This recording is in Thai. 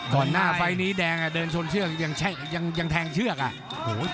ก่อนหน้าไฟนี้แดงเดินชนเชือกยังแทงเชือก